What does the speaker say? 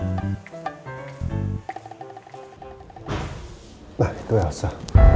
nah itu ya elsa